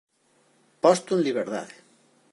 Posto en liberdade.